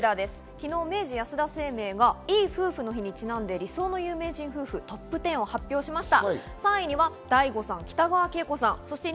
昨日、明治安田生命がいい夫婦の日にちなんで理想の有名人夫婦トップ１０を発表しました。